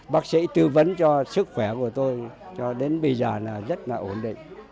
bác sĩ tư vấn cho sức khỏe của tôi cho đến bây giờ là rất là ổn định